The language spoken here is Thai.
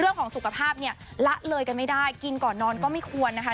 เรื่องของสุขภาพเนี่ยละเลยกันไม่ได้กินก่อนนอนก็ไม่ควรนะคะ